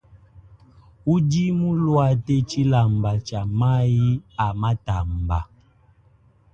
Udi muluate tshilamba tshia mayi a matamba.